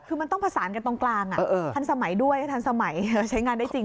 คือมันต้องผสานกันตรงกลางทันสมัยชายงานได้จริง